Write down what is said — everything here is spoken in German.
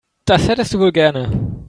Das hättest du wohl gerne.